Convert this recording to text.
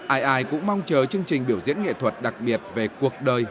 ai ai cũng mong chờ chương trình biểu diễn nghệ thuật đặc biệt về cuộc đời